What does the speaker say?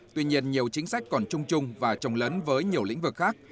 tuy nhiên nhiều chính sách còn trung trung và trồng lớn với nhiều lĩnh vực khác